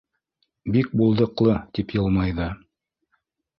Бик булдыҡлы, — тип йылмайҙы.